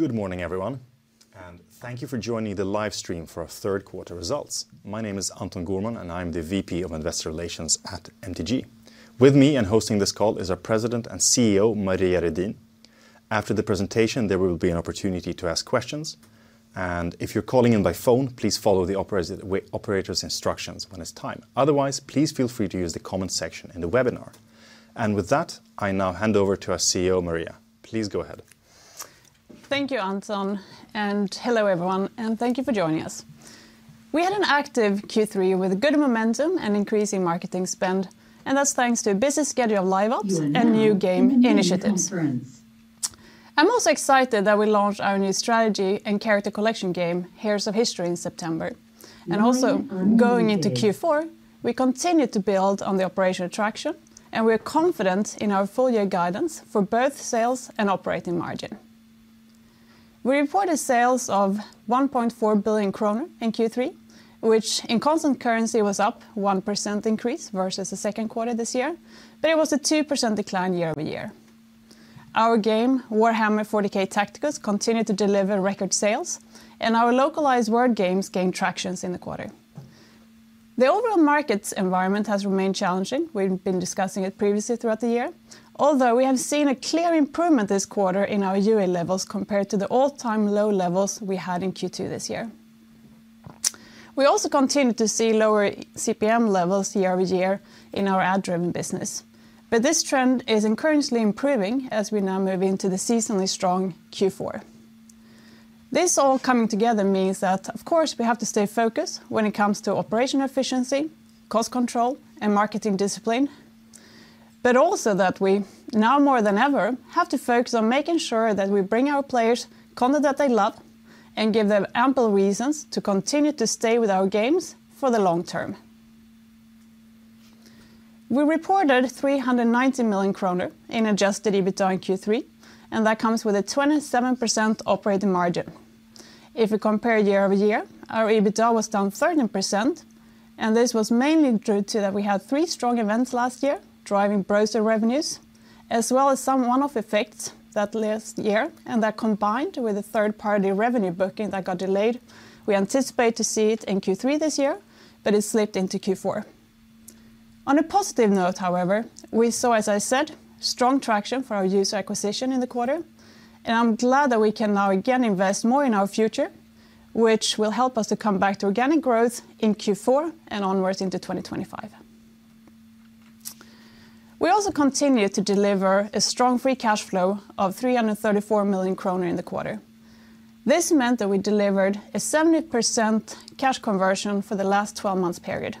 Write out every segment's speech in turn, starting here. Good morning, everyone, and thank you for joining the live stream for our third quarter results. My name is Anton Gourman, and I'm the VP of Investor Relations at MTG. With me, and hosting this call, is our President and CEO, Maria Redin. After the presentation, there will be an opportunity to ask questions, and if you're calling in by phone, please follow the operator's instructions when it's time. Otherwise, please feel free to use the comment section in the webinar. With that, I now hand over to our CEO, Maria. Please go ahead. Thank you, Anton, and hello, everyone, and thank you for joining us. We had an active Q3 with good momentum and increasing marketing spend, and that's thanks to a busy schedule of live ops- You are now in a conference.... and new game initiatives. I'm also excited that we launched our new strategy and character collection game, Heroes of History, in September. You are now in a- Also, going into Q4, we continued to build on the operational traction, and we're confident in our full-year guidance for both sales and operating margin. We reported sales of 1.4 billion kronor in Q3, which in constant currency was up 1% increase versus the second quarter this year, but it was a 2% decline year-over-year. Our game, Warhammer 40,000: Tacticus, continued to deliver record sales, and our localized word games gained traction in the quarter. The overall market environment has remained challenging. We've been discussing it previously throughout the year, although we have seen a clear improvement this quarter in our UA levels compared to the all-time low levels we had in Q2 this year. We also continued to see lower CPM levels year-over-year in our ad-driven business, but this trend is encouragingly improving as we now move into the seasonally strong Q4. This all coming together means that, of course, we have to stay focused when it comes to operational efficiency, cost control, and marketing discipline, but also that we, now more than ever, have to focus on making sure that we bring our players content that they love and give them ample reasons to continue to stay with our games for the long term. We reported 390 million kronor in adjusted EBITDA in Q3, and that comes with a 27% operating margin. If we compare year-over-year, our EBITDA was down 13%, and this was mainly due to that we had three strong events last year, driving browser revenues, as well as some one-off effects that last year, and that combined with a third-party revenue booking that got delayed. We anticipate to see it in Q3 this year, but it slipped into Q4. On a positive note, however, we saw, as I said, strong traction for our user acquisition in the quarter, and I'm glad that we can now again invest more in our future, which will help us to come back to organic growth in Q4 and onwards into 2025. We also continued to deliver a strong free cash flow of 334 million kronor in the quarter. This meant that we delivered a 70% cash conversion for the last twelve months period.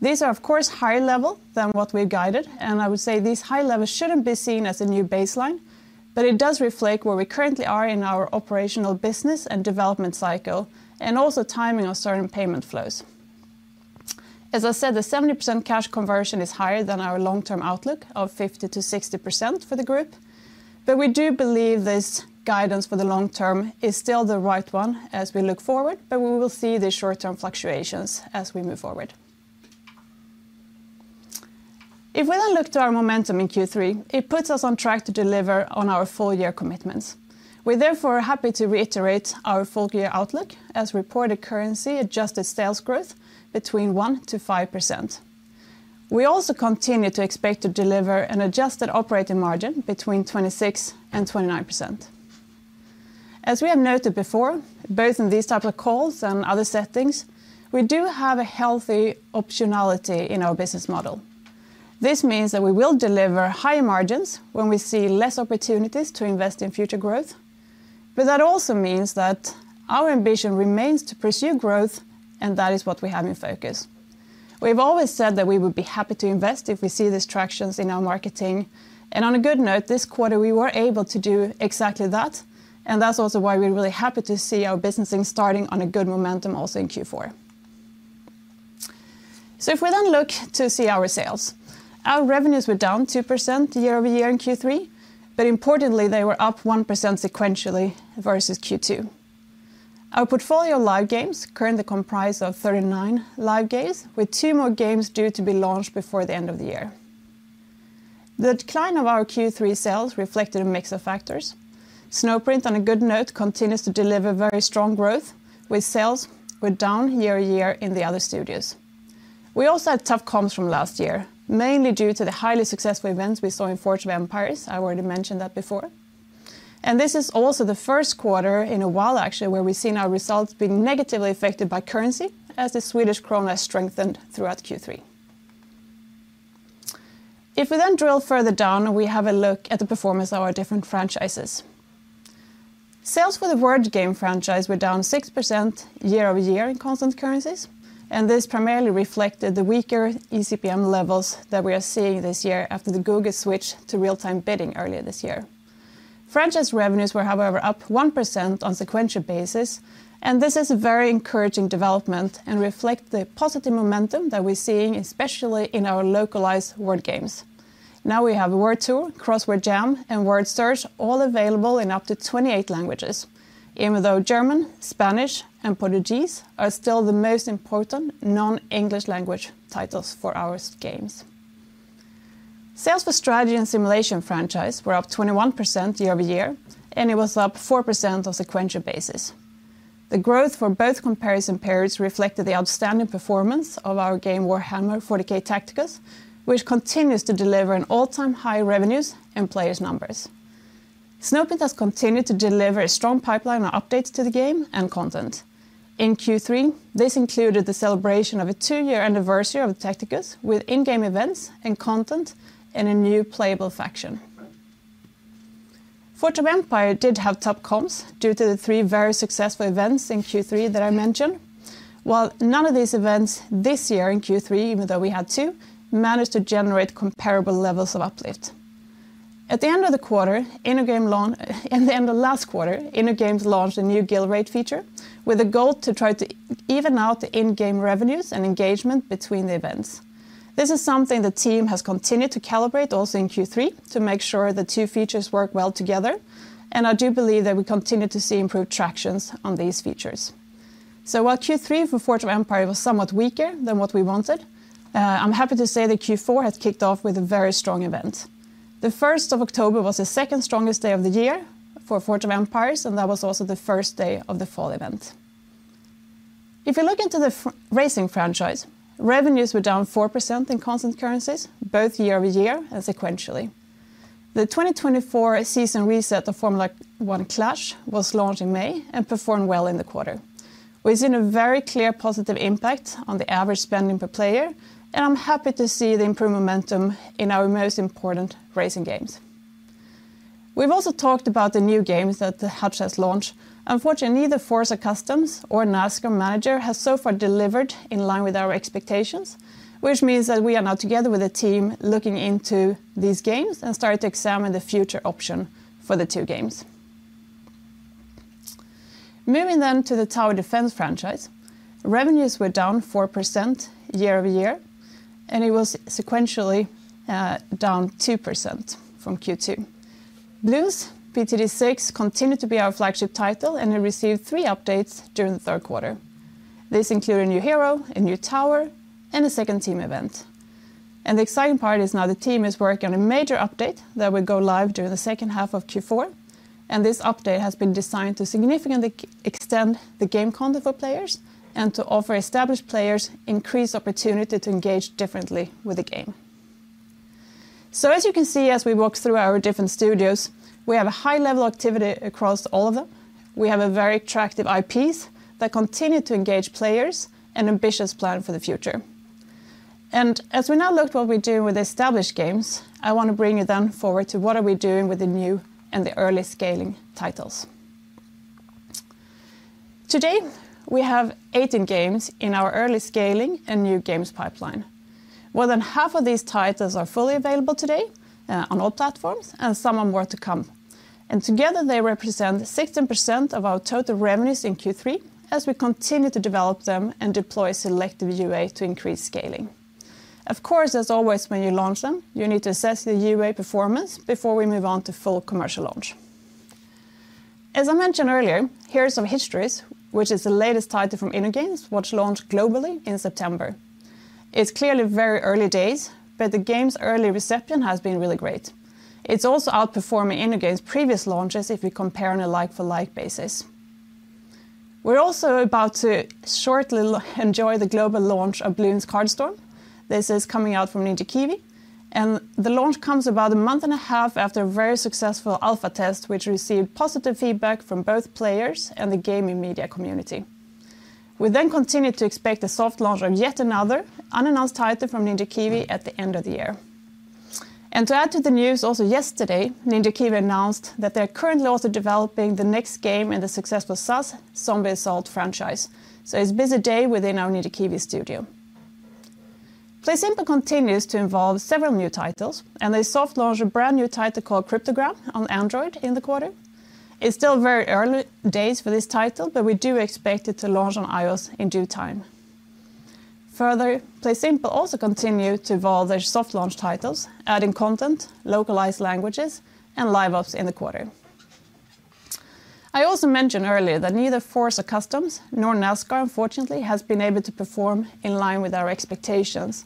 These are, of course, higher level than what we've guided, and I would say these high levels shouldn't be seen as a new baseline, but it does reflect where we currently are in our operational business and development cycle, and also timing of certain payment flows. As I said, the 70% cash conversion is higher than our long-term outlook of 50-60% for the group, but we do believe this guidance for the long term is still the right one as we look forward, but we will see the short-term fluctuations as we move forward. If we then look to our momentum in Q3, it puts us on track to deliver on our full-year commitments. We're therefore happy to reiterate our full-year outlook as reported currency-adjusted sales growth between 1-5%. We also continue to expect to deliver an adjusted operating margin between 26% and 29%. As we have noted before, both in these types of calls and other settings, we do have a healthy optionality in our business model. This means that we will deliver higher margins when we see less opportunities to invest in future growth, but that also means that our ambition remains to pursue growth, and that is what we have in focus. We've always said that we would be happy to invest if we see these tractions in our marketing, and on a good note, this quarter, we were able to do exactly that, and that's also why we're really happy to see our business starting on a good momentum also in Q4. So if we then look to see our sales, our revenues were down 2% year-over-year in Q3, but importantly, they were up 1% sequentially versus Q2. Our portfolio of live games currently comprise of 39 live games, with two more games due to be launched before the end of the year. The decline of our Q3 sales reflected a mix of factors. Snowprint, on a good note, continues to deliver very strong growth, with sales were down year-over-year in the other studios. We also had tough comps from last year, mainly due to the highly successful events we saw in Forge of Empires. I already mentioned that before, and this is also the first quarter in a while, actually, where we've seen our results being negatively affected by currency, as the Swedish krona strengthened throughout Q3. If we then drill further down, and we have a look at the performance of our different franchises. Sales for the word game franchise were down 6% year-over-year in constant currencies, and this primarily reflected the weaker eCPM levels that we are seeing this year after the Google switch to real-time bidding earlier this year. Franchise revenues were, however, up 1% on a sequential basis, and this is a very encouraging development and reflects the positive momentum that we're seeing, especially in our localized word games. Now, we have Word Trip, Crossword Jam, and Word Search all available in up to 28 languages, even though German, Spanish, and Portuguese are still the most important non-English language titles for our games. Sales for Strategy and Simulation franchise were up 21% year-over-year, and it was up 4% on a sequential basis. The growth for both comparison periods reflected the outstanding performance of our game Warhammer 40,000: Tacticus, which continues to deliver an all-time high revenues and player numbers. Snowprint has continued to deliver a strong pipeline of updates to the game and content. In Q3, this included the celebration of a two-year anniversary of Tacticus with in-game events and content, and a new playable faction. Forge of Empires did have tough comps due to the three very successful events in Q3 that I mentioned. While none of these events this year in Q3, even though we had two, managed to generate comparable levels of uplift. At the end of the quarter, at the end of last quarter, InnoGames launched a new guild raid feature, with a goal to try to even out the in-game revenues and engagement between the events. This is something the team has continued to calibrate also in Q3, to make sure the two features work well together, and I do believe that we continue to see improved traction on these features. So while Q3 for Forge of Empires was somewhat weaker than what we wanted, I'm happy to say that Q4 has kicked off with a very strong event. The first of October was the second strongest day of the year for Forge of Empires, and that was also the first day of the Fall Event. If you look into the racing franchise, revenues were down 4% in constant currencies, both year-over-year and sequentially. The 2024 season reset of Formula One Clash was launched in May and performed well in the quarter. We've seen a very clear positive impact on the average spending per player, and I'm happy to see the improved momentum in our most important racing games. We've also talked about the new games that the Hutch has launched. Unfortunately, neither Forza Customs or NASCAR Manager has so far delivered in line with our expectations, which means that we are now together with a team, looking into these games and start to examine the future option for the two games. Moving then to the Tower Defense franchise, revenues were down 4% year-over-year, and it was sequentially down 2% from Q2. Bloons TD 6 continued to be our flagship title and it received three updates during the third quarter. This includes a new hero, a new tower, and a second team event. And the exciting part is now the team is working on a major update that will go live during the second half of Q4, and this update has been designed to significantly extend the game content for players and to offer established players increased opportunity to engage differently with the game. So as you can see, as we walk through our different studios, we have a high level of activity across all of them. We have a very attractive IPs that continue to engage players, and ambitious plan for the future. As we now look what we do with established games, I want to bring you then forward to what are we doing with the new and the early scaling titles. Today, we have 18 games in our early scaling and new games pipeline. More than half of these titles are fully available today on all platforms, and some are more to come. Together, they represent 16% of our total revenues in Q3 as we continue to develop them and deploy selective UA to increase scaling. Of course, as always, when you launch them, you need to assess the UA performance before we move on to full commercial launch. As I mentioned earlier, Heroes of History, which is the latest title from InnoGames, which launched globally in September. It's clearly very early days, but the game's early reception has been really great. It's also outperforming InnoGames' previous launches if you compare on a like-for-like basis. We're also about to shortly enjoy the global launch of Bloons Card Storm. This is coming out from Ninja Kiwi, and the launch comes about a month and a half after a very successful alpha test, which received positive feedback from both players and the gaming media community. We then continue to expect the soft launch of yet another unannounced title from Ninja Kiwi at the end of the year. And to add to the news, also yesterday, Ninja Kiwi announced that they are currently also developing the next game in the successful SAS Zombie Assault franchise. So it's a busy day within our Ninja Kiwi studio. PlaySimple continues to envolve several new titles, and they soft launched a brand-new title called Cryptogram on Android in the quarter. It's still very early days for this title, but we do expect it to launch on iOS in due time. Further, PlaySimple also continue to evolve their soft launch titles, adding content, localized languages, and live ops in the quarter. I also mentioned earlier that neither Forza Customs nor NASCAR, unfortunately, has been able to perform in line with our expectations,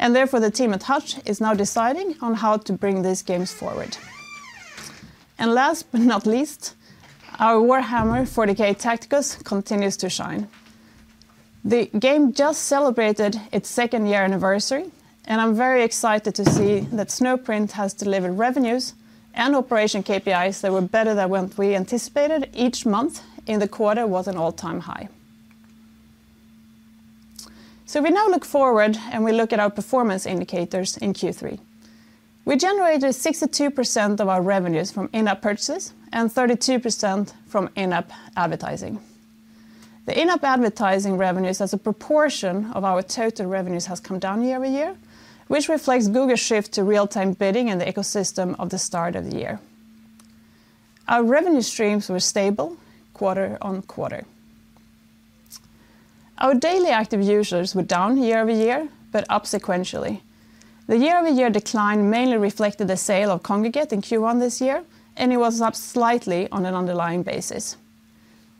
and therefore, the team at Hutch is now deciding on how to bring these games forward. And last but not least, our Warhammer 40,000: Tacticus continues to shine. The game just celebrated its second year anniversary, and I'm very excited to see that Snowprint has delivered revenues and operation KPIs that were better than what we anticipated. Each month in the quarter was an all-time high. So we now look forward, and we look at our performance indicators in Q3. We generated 62% of our revenues from in-app purchases and 32% from in-app advertising. The in-app advertising revenues as a proportion of our total revenues has come down year-over-year, which reflects Google's shift to real-time bidding in the ecosystem of the start of the year. Our revenue streams were stable quarter on quarter. Our daily active users were down year-over-year, but up sequentially. The year-over-year decline mainly reflected the sale of Kongregate in Q1 this year, and it was up slightly on an underlying basis.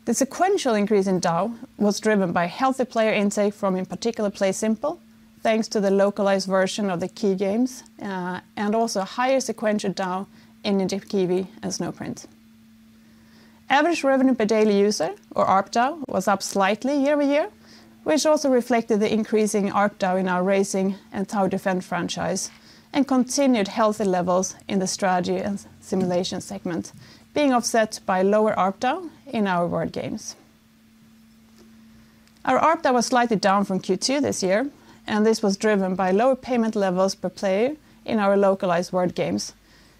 The sequential increase in DAU was driven by healthy player intake from, in particular, PlaySimple, thanks to the localized version of the key games, and also higher sequential DAU in Ninja Kiwi and Snowprint. Average revenue per daily user, or ARPDAU, was up slightly year-over-year, which also reflected the increasing ARPDAU in our racing and tower defense franchise, and continued healthy levels in the strategy and simulation segment, being offset by lower ARPDAU in our word games. Our ARPDAU was slightly down from Q2 this year, and this was driven by lower payment levels per player in our localized word games,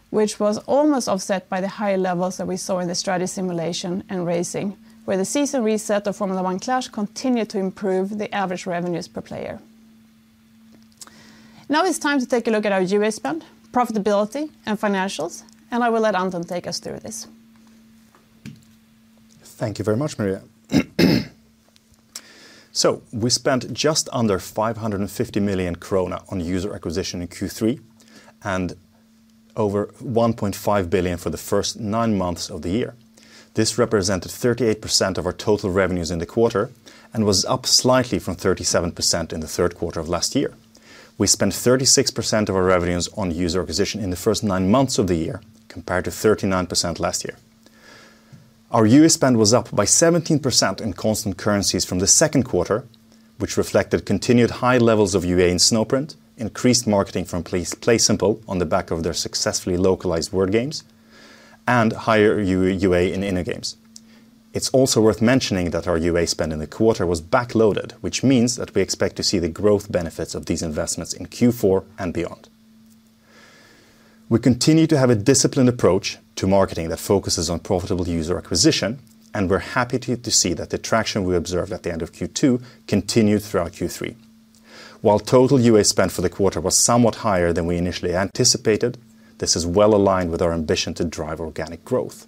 which was almost offset by the higher levels that we saw in the strategy simulation and racing, where the season reset of F1 Clash continued to improve the average revenues per player. Now it's time to take a look at our UA spend, profitability, and financials, and I will let Anton take us through this. Thank you very much, Maria. So we spent just under 550 million krona on user acquisition in Q3, and over 1.5 billion for the first nine months of the year. This represented 38% of our total revenues in the quarter, and was up slightly from 37% in the third quarter of last year. We spent 36% of our revenues on user acquisition in the first nine months of the year, compared to 39% last year. Our UA spend was up by 17% in constant currencies from the second quarter, which reflected continued high levels of UA in Snowprint, increased marketing from PlaySimple on the back of their successfully localized word games, and higher UA in InnoGames. It's also worth mentioning that our UA spend in the quarter was backloaded, which means that we expect to see the growth benefits of these investments in Q4 and beyond. We continue to have a disciplined approach to marketing that focuses on profitable user acquisition, and we're happy to see that the traction we observed at the end of Q2 continued throughout Q3. While total UA spend for the quarter was somewhat higher than we initially anticipated, this is well aligned with our ambition to drive organic growth.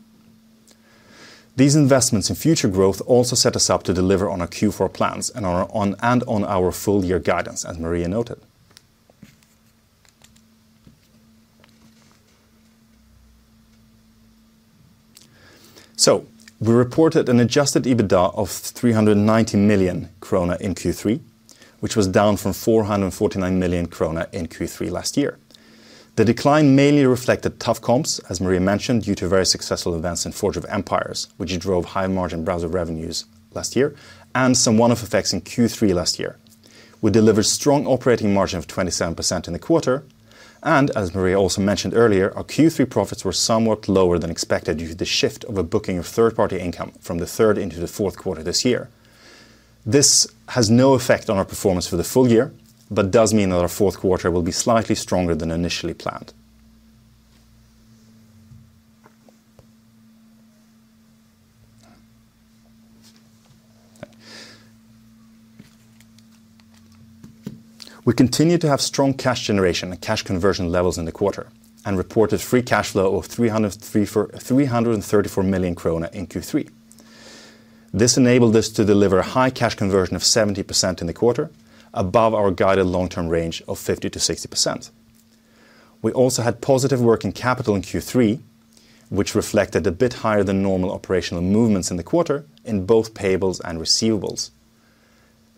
These investments in future growth also set us up to deliver on our Q4 plans and on our full-year guidance, as Maria noted. So we reported an adjusted EBITDA of 390 million krona in Q3, which was down from 449 million krona in Q3 last year. The decline mainly reflected tough comps, as Maria mentioned, due to very successful events in Forge of Empires, which drove high-margin browser revenues last year, and some one-off effects in Q3 last year. We delivered strong operating margin of 27% in the quarter, and as Maria also mentioned earlier, our Q3 profits were somewhat lower than expected due to the shift of a booking of third-party income from the third into the fourth quarter this year. This has no effect on our performance for the full-year, but does mean that our fourth quarter will be slightly stronger than initially planned. We continue to have strong cash generation and cash conversion levels in the quarter, and reported free cash flow of 334 million krona in Q3. This enabled us to deliver a high cash conversion of 70% in the quarter, above our guided long-term range of 50-60%. We also had positive working capital in Q3, which reflected a bit higher than normal operational movements in the quarter in both payables and receivables.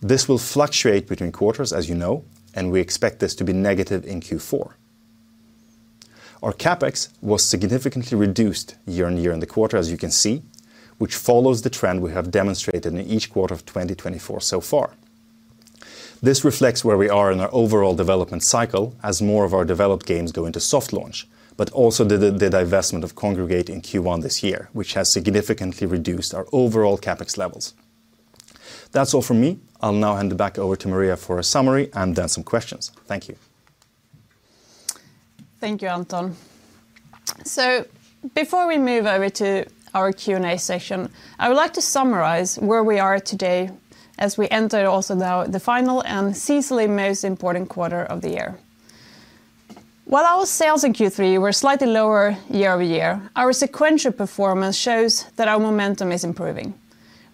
This will fluctuate between quarters, as you know, and we expect this to be negative in Q4. Our CapEx was significantly reduced year on year in the quarter, as you can see, which follows the trend we have demonstrated in each quarter of 2024 so far. This reflects where we are in our overall development cycle as more of our developed games go into soft launch, but also the divestment of Kongregate in Q1 this year, which has significantly reduced our overall CapEx levels. That's all from me. I'll now hand it back over to Maria for a summary and then some questions. Thank you. Thank you, Anton. So before we move over to our Q&A session, I would like to summarize where we are today as we enter also now the final and seasonally most important quarter of the year. While our sales in Q3 were slightly lower year-over-year, our sequential performance shows that our momentum is improving.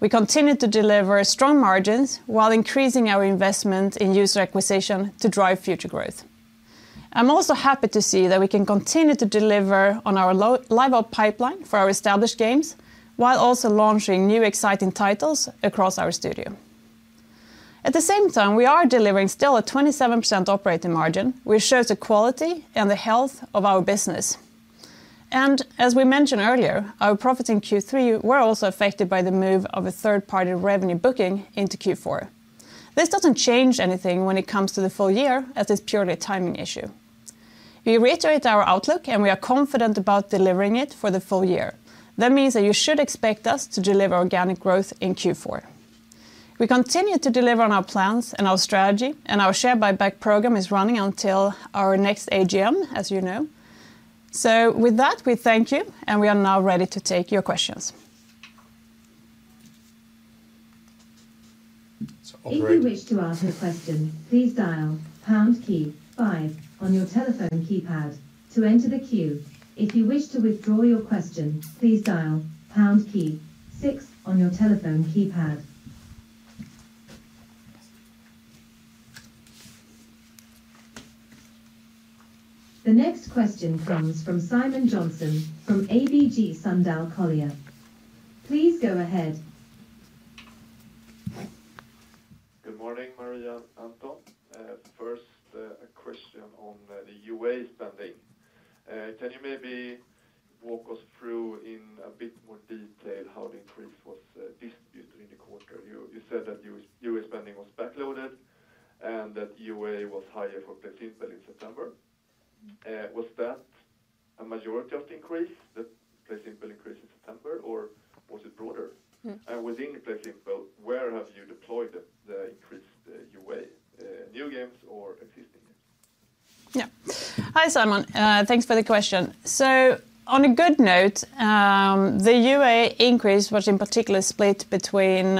We continue to deliver strong margins while increasing our investment in user acquisition to drive future growth. I'm also happy to see that we can continue to deliver on our live ops pipeline for our established games, while also launching new, exciting titles across our studio. At the same time, we are delivering still a 27% operating margin, which shows the quality and the health of our business. And as we mentioned earlier, our profits in Q3 were also affected by the move of a third-party revenue booking into Q4. This doesn't change anything when it comes to the full-year, as it's purely a timing issue. We reiterate our outlook, and we are confident about delivering it for the full-year. That means that you should expect us to deliver organic growth in Q4. We continue to deliver on our plans and our strategy, and our share buyback program is running until our next AGM, as you know. So with that, we thank you, and we are now ready to take your questions. If you wish to ask a question, please dial pound key five on your telephone keypad to enter the queue. If you wish to withdraw your question, please dial pound key six on your telephone keypad. The next question comes from Simon Jönsson from ABG Sundal Collier. Please go ahead. Good morning, Maria and Anton. First, a question on the UA spending. Can you maybe walk us through in a bit more detail how the increase was distributed in the quarter? You, you said that UA spending was backloaded and that UA was higher for PlaySimple in September. Was that a majority of the increase, the PlaySimple increase in September, or was it broader? Within PlaySimple, where have you deployed the increased UA, new games or existing games? Yeah. Hi, Simon. Thanks for the question. So on a good note, the UA increase was in particular split between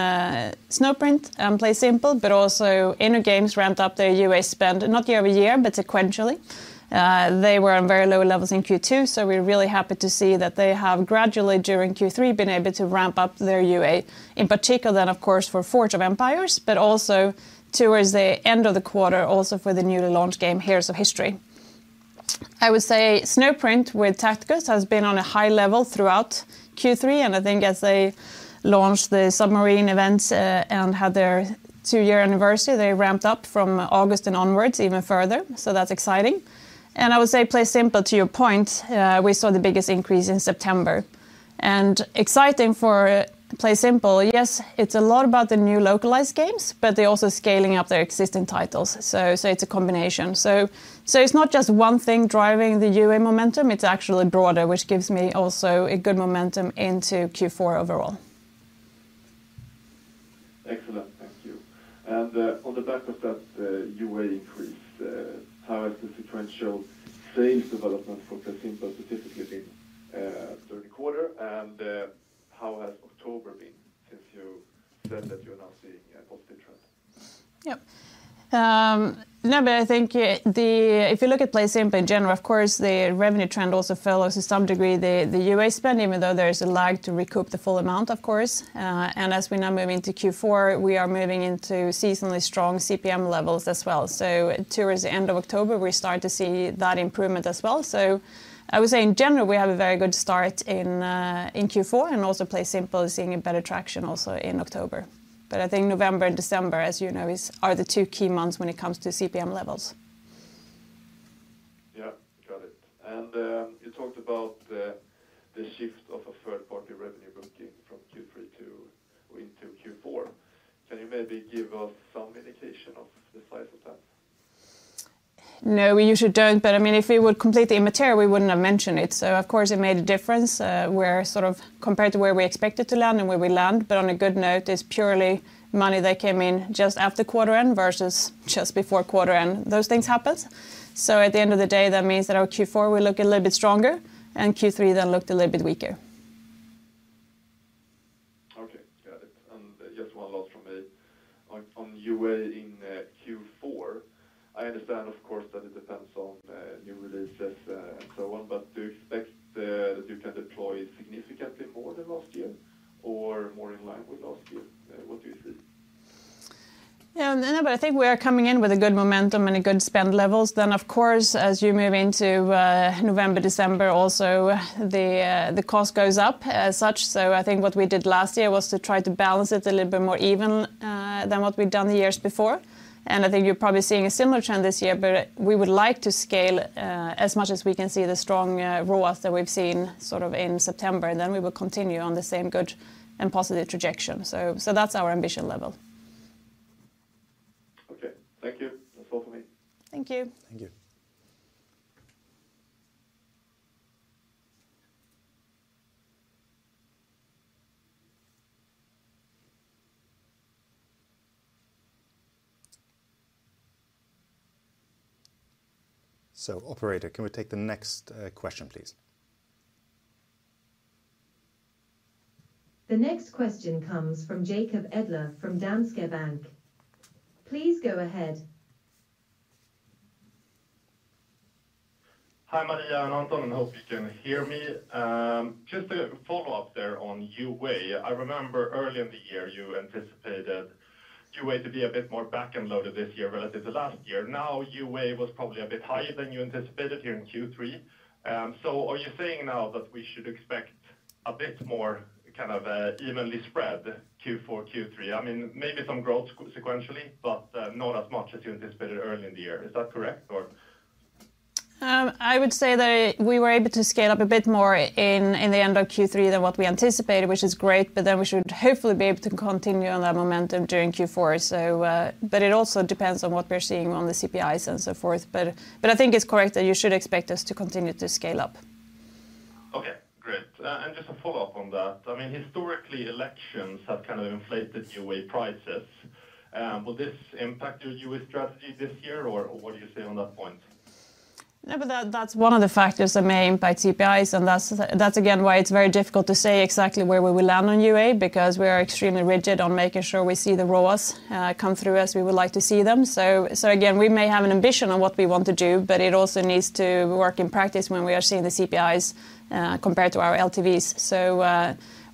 Snowprint and PlaySimple, but also InnoGames ramped up their UA spend, not year-over-year, but sequentially. They were on very low levels in Q2, so we're really happy to see that they have gradually, during Q3, been able to ramp up their UA, in particular, then, of course, for Forge of Empires, but also towards the end of the quarter, also for the newly launched game, Heroes of History. I would say Snowprint with Tacticus has been on a high level throughout Q3, and I think as they launched the submarine events and had their two-year anniversary, they ramped up from August and onwards, even further. So that's exciting. I would say PlaySimple, to your point, we saw the biggest increase in September. Exciting for PlaySimple, yes, it's a lot about the new localized games, but they're also scaling up their existing titles. It's a combination. It's not just one thing driving the UA momentum, it's actually broader, which gives me also a good momentum into Q4 overall. Excellent. Thank you. And, on the back of that, UA increase, how is the sequential sales development for PlaySimple, specifically in, during the quarter? And, how has October been since you said that you're now seeing a positive trend? Yep. No, but I think, if you look at PlaySimple in general, of course, the revenue trend also follows to some degree the, the UA spend, even though there is a lag to recoup the full amount, of course. And as we now move into Q4, we are moving into seasonally strong CPM levels as well. So towards the end of October, we start to see that improvement as well. So I would say, in general, we have a very good start in, in Q4, and also PlaySimple is seeing a better traction also in October. But I think November and December, as you know, are the two key months when it comes to CPM levels. Yeah, got it. And, you talked about the shift of a third-party revenue booking from Q3 into Q4. Can you maybe give us some indication of the size of that? No, we usually don't, but, I mean, if it were completely immaterial, we wouldn't have mentioned it. So of course, it made a difference where sort of compared to where we expected to land and where we land. But on a good note, it's purely money that came in just after quarter end versus just before quarter end. Those things happens. So at the end of the day, that means that our Q4 will look a little bit stronger and Q3 then looked a little bit weaker. Okay, got it. And just one last from me. On UA in Q4, I understand, of course, that it depends on new releases, and so on, but do you expect that you can deploy significantly more than last year or more in line with last year? What do you see? Yeah, no, but I think we are coming in with a good momentum and a good spend levels. Then, of course, as you move into November, December, also, the cost goes up as such. So I think what we did last year was to try to balance it a little bit more even than what we've done the years before. And I think you're probably seeing a similar trend this year, but we would like to scale as much as we can see the strong ROAS that we've seen sort of in September, then we will continue on the same good and positive trajectory. So that's our ambition level. Okay. Thank you. That's all for me. Thank you. Thank you. So, operator, can we take the next question, please? The next question comes from Jacob Edler, from Danske Bank. Please go ahead. Hi, Maria and Anton. I hope you can hear me. Just a follow-up there on UA. I remember earlier in the year, you anticipated UA to be a bit more back-loaded this year relative to last year. Now, UA was probably a bit higher than you anticipated here in Q3. So are you saying now that we should expect a bit more kind of evenly spread Q4, Q3? I mean, maybe some growth sequentially, but not as much as you anticipated early in the year. Is that correct, or? I would say that we were able to scale up a bit more in the end of Q3 than what we anticipated, which is great, but then we should hopefully be able to continue on that momentum during Q4, so. But it also depends on what we're seeing on the CPIs and so forth. But I think it's correct that you should expect us to continue to scale up. Okay, great. And just a follow-up on that. I mean, historically, elections have kind of inflated UA prices. Will this impact your UA strategy this year, or what do you say on that point? No, but that's one of the factors that may impact CPIs, and that's again why it's very difficult to say exactly where we will land on UA, because we are extremely rigid on making sure we see the ROAS come through as we would like to see them. So again, we may have an ambition on what we want to do, but it also needs to work in practice when we are seeing the CPIs compared to our LTVs. So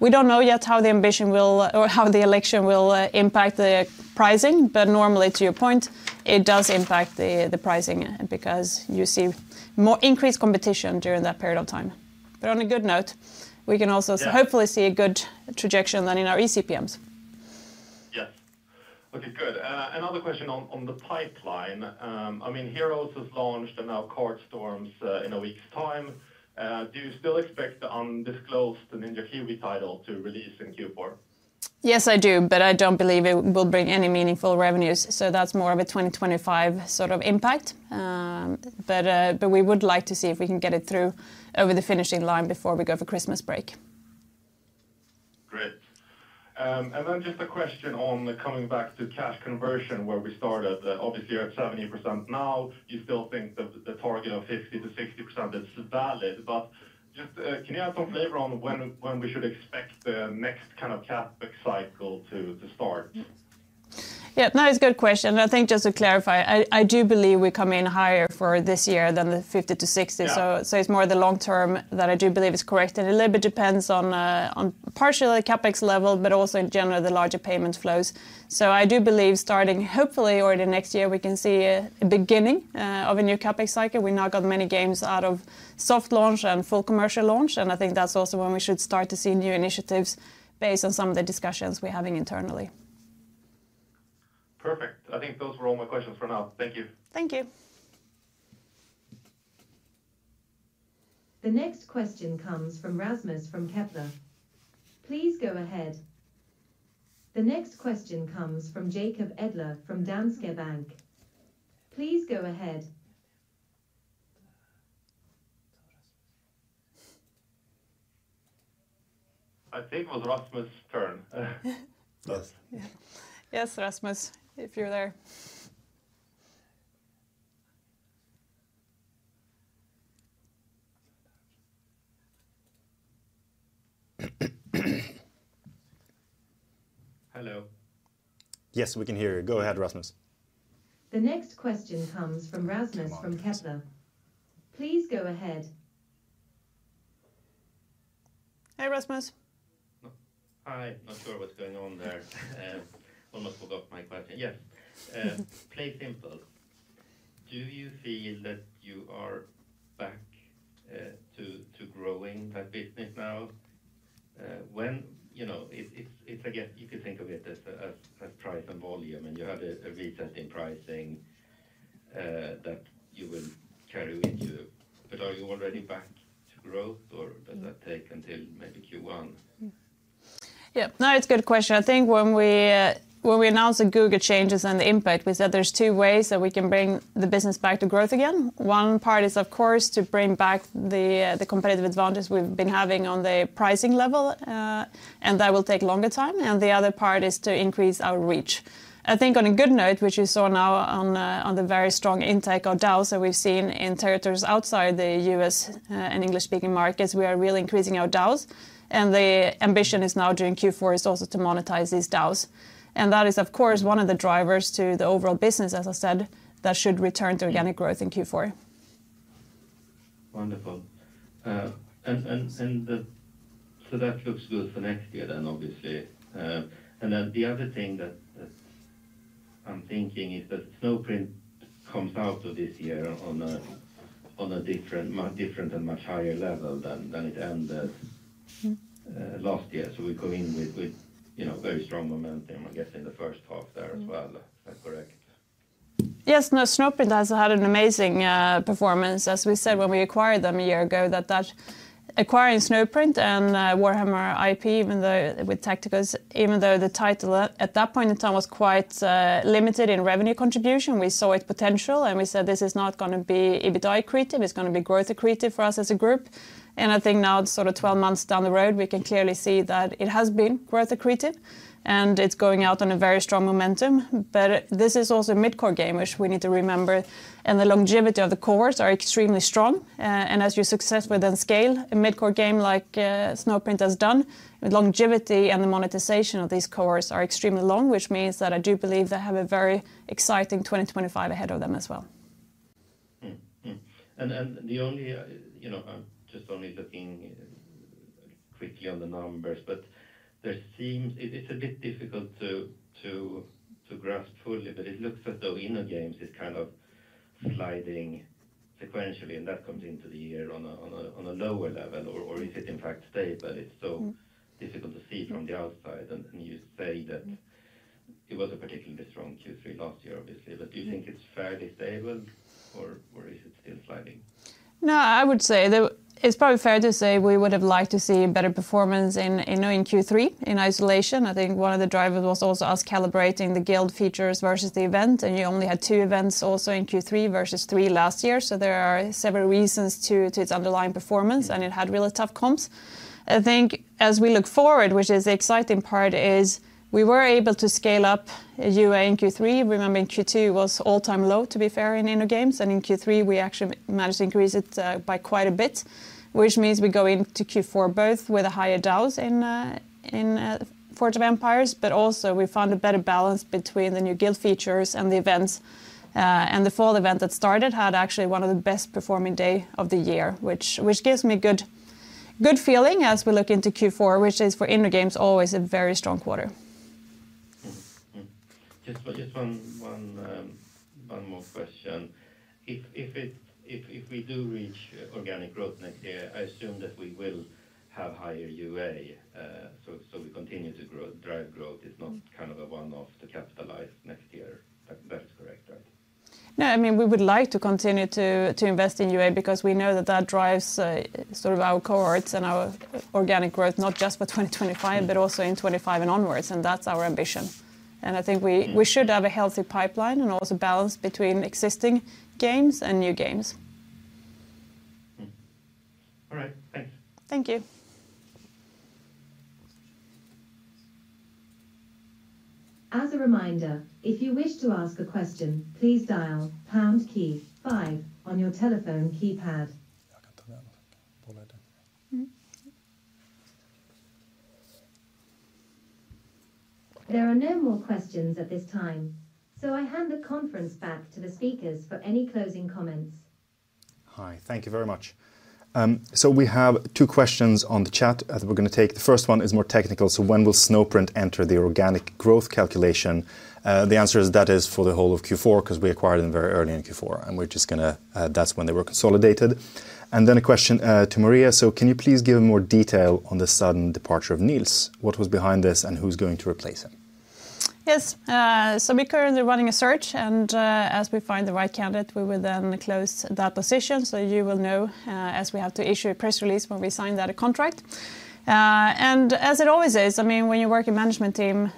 we don't know yet how the ambition will or how the election will impact the pricing, but normally, to your point, it does impact the pricing because you see more increased competition during that period of time... but on a good note, we can also- Hopefully see a good trajectory then in our eCPMs. Yes. Okay, good. Another question on the pipeline. I mean, Heroes has launched and now Card Storm's in a week's time. Do you still expect the undisclosed Ninja Kiwi title to release in Q4? Yes, I do, but I don't believe it will bring any meaningful revenues, so that's more of a 2025 sort of impact. But we would like to see if we can get it through over the finishing line before we go for Christmas break. Great. And then just a question on the coming back to cash conversion where we started. Obviously, you're at 70% now. Do you still think that the target of 50-60% is valid? But just, can you add some flavor on when we should expect the next kind of CapEx cycle to start? Yeah, no, it's a good question, and I think just to clarify, I do believe we come in higher for this year than the 50-60. So, it's more the long term that I do believe is correct, and it a little bit depends on partially CapEx level, but also in general, the larger payment flows. So I do believe starting hopefully already next year, we can see a beginning of a new CapEx cycle. We now got many games out of soft launch and full commercial launch, and I think that's also when we should start to see new initiatives based on some of the discussions we're having internally. Perfect. I think those were all my questions for now. Thank you. Thank you. The next question comes from Rasmus from Kepler Cheuvreux. Please go ahead. The next question comes from Jacob Edler from Danske Bank. Please go ahead. I think it was Rasmus' turn. Yes. Yes, Rasmus, if you're there. Hello. Yes, we can hear you. Go ahead, Rasmus. The next question comes from Rasmus from Kepler. Please go ahead. Hi, Rasmus. Hi. Not sure what's going on there. Almost forgot my question. Yes, PlaySimple. Do you feel that you are back to growing the business now? You know, it's again, you can think of it as a price and volume, and you have a reset in pricing that you will carry into. But are you already back to growth, or does that take until maybe Q1? Yeah. No, it's a good question. I think when we announced the Google changes and the impact, we said there's two ways that we can bring the business back to growth again. One part is, of course, to bring back the competitive advantage we've been having on the pricing level, and that will take longer time, and the other part is to increase our reach. I think on a good note, which we saw now on the very strong intake of DAUs that we've seen in territories outside the U.S., and English-speaking markets, we are really increasing our DAUs, and the ambition is now during Q4 to also monetize these DAUs. And that is, of course, one of the drivers to the overall business, as I said, that should return to organic growth in Q4. Wonderful. And so that looks good for next year then, obviously. And then the other thing that I'm thinking is that Snowprint comes out of this year on a different, much different and much higher level than it ended- last year. So we go in with, you know, very strong momentum, I guess, in the first half there as well. Is that correct? Yes. No, Snowprint has had an amazing performance. As we said when we acquired them a year ago, that acquiring Snowprint and Warhammer IP, even though with Tacticus, even though the title at that point in time was quite limited in revenue contribution, we saw its potential, and we said, "This is not gonna be EBITDA accretive. It's gonna be growth accretive for us as a group." And I think now, sort of 12 months down the road, we can clearly see that it has been growth accretive, and it's going out on a very strong momentum. But this is also a mid-core game, which we need to remember, and the longevity of the cores are extremely strong. And as you succeed with them scale, a mid-core game like Snowprint has done, the longevity and the monetization of these cores are extremely long, which means that I do believe they have a very exciting 2025 ahead of them as well. And the only, you know, I'm just only looking quickly on the numbers, but there seems... It's a bit difficult to grasp fully, but it looks as though InnoGames is kind of sliding sequentially, and that comes into the year on a lower level, or is it in fact stable? It's so difficult to see from the outside. And you say that it was a particularly strong Q3 last year, obviously. But do you think it's fairly stable, or is it still sliding? No, I would say it's probably fair to say we would have liked to see a better performance in Inno in Q3 in isolation. I think one of the drivers was also us calibrating the guild features versus the event, and you only had two events also in Q3 versus three last year. So there are several reasons to its underlying performance, and it had really tough comps. I think as we look forward, which is the exciting part, is we were able to scale up UA in Q3. Remember, in Q2 was all-time low, to be fair, in InnoGames, and in Q3, we actually managed to increase it by quite a bit, which means we go into Q4, both with a higher DAUs in Forge of Empires, but also we found a better balance between the new guild features and the events. And the fall event that started had actually one of the best performing day of the year, which gives me good feeling as we look into Q4, which is for InnoGames, always a very strong quarter. Just one more question. If we do reach organic growth next year, I assume that we will have higher UA, so we continue to drive growth. It's not kind of a one-off to capitalize next year. That is correct, right? No, I mean, we would like to continue to invest in UA because we know that that drives sort of our cohorts and our organic growth, not just for 2025, but also in 2025 and onwards, and that's our ambition. And I think we- We should have a healthy pipeline and also balance between existing games and new games. All right. Thanks. Thank you. As a reminder, if you wish to ask a question, please dial pound key five on your telephone keypad. There are no more questions at this time, so I hand the conference back to the speakers for any closing comments. Hi. Thank you very much. So we have two questions on the chat that we're going to take. The first one is more technical: "So when will Snowprint enter the organic growth calculation?" The answer is that is for the whole of Q4, because we acquired them very early in Q4, and we're just gonna. That's when they were consolidated. And then a question to Maria: "So can you please give more detail on the sudden departure of Nils? What was behind this, and who's going to replace him? Yes. So we're currently running a search, and as we find the right candidate, we will then close that position. So you will know, as we have to issue a press release when we sign that contract. And as it always is, I mean, when you work in management team,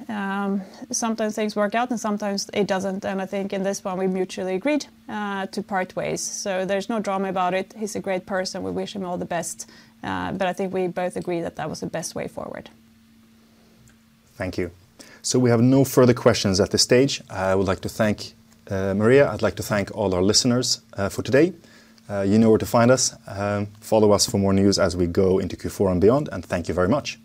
sometimes things work out, and sometimes it doesn't. And I think in this one, we mutually agreed to part ways. So there's no drama about it. He's a great person. We wish him all the best, but I think we both agree that that was the best way forward. Thank you. So we have no further questions at this stage. I would like to thank Maria. I'd like to thank all our listeners for today. You know where to find us. Follow us for more news as we go into Q4 and beyond, and thank you very much.